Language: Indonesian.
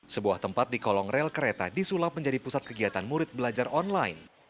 sebuah tempat di kolong rel kereta disulap menjadi pusat kegiatan murid belajar online